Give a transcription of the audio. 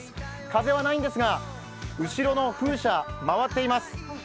風はないんですが、後ろの風車、回っています。